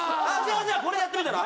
じゃあこれやってみたら？